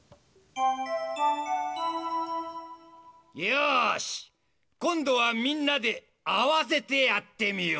よしこんどはみんなであわせてやってみよう。